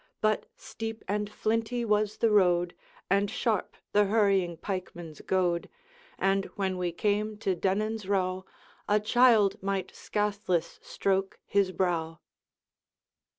But steep and flinty was the road, And sharp the hurrying pikeman's goad, And when we came to Dennan's Row A child might scathless stroke his brow.'